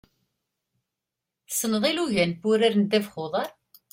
Tessneḍ ilugan n wurar n ddabex n uḍar?